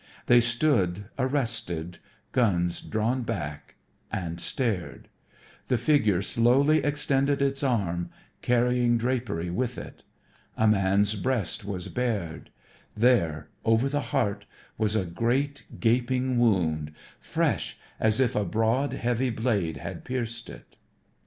They stood arrested, guns drawn back, and stared. The figure slowly extended its arm, carrying drapery with it. A man's breast was bared. There, over the heart, was a great gaping wound, fresh, as if a broad, heavy blade had pierced it.